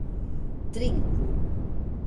Trinku!